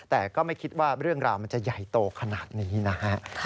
แต่ก็ไม่คิดว่าเรื่องราวมันจะใหญ่โตขนาดนี้นะฮะ